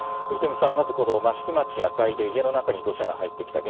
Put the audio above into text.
まず益城町赤井で家の中に土砂が入ってきた。